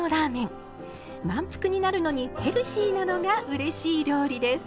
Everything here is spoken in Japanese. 満腹になるのにヘルシーなのがうれしい料理です。